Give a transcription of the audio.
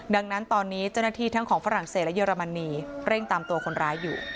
ดังนั้นตอนนี้เจ้าหน้าที่ทั้งของฝรั่งเศสและเยอรมนีเร่งตามตัวคนร้ายอยู่